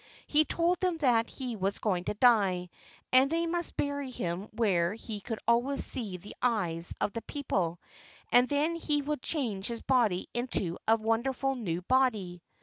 He told them that he was going to die, and they must bury him where he could always see the eyes of the people, and then he would change his body into a wonderful new body.